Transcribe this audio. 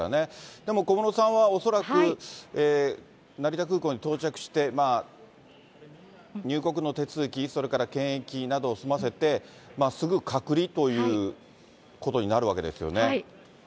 でも小室さんは恐らく成田空港に到着して、入国の手続き、それから検疫などを済ませて、すぐ隔離ということになるわけですよね。